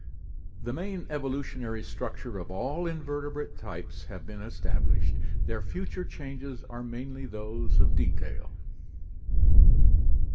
The main evolutionary structure of all invertebrate types having been established, their future changes are mainly those of detail.